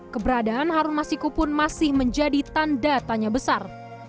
keberadaan harun masiku pun masih menjadi tanda tanya besar